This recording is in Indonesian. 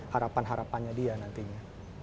harapan harapannya dia nantinya